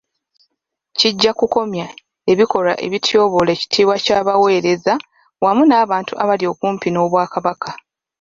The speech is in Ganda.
Kijja kukomya ebikolwa ebityoboola ekitiibwa ky'abaweereza wamu n'abantu abali okumpi n'Obwakabaka.